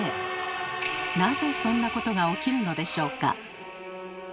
なぜそんなことが起きるのでしょうか？